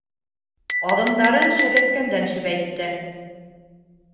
Аҙымдарын шәбәйткәндән-шәбәйтте.